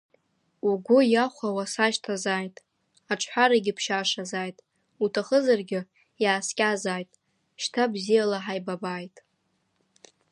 Угәы иахәауа сашьҭазааит, аҿҳәарагьы ԥшьашазааит, уҭахызаргьы иааскьазааит, шьҭа бзиала ҳаибабааит.